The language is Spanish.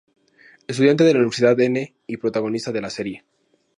Estudiante de la Universidad N y protagonista de la serie.